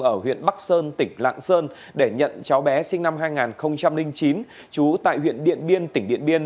ở huyện bắc sơn tỉnh lạng sơn để nhận cháu bé sinh năm hai nghìn chín chú tại huyện điện biên tỉnh điện biên